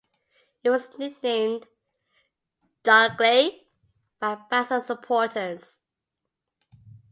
It was nicknamed "Joggeli" by Basel supporters.